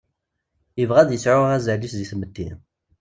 Yebɣa ad yesɛu azal-is deg tmetti.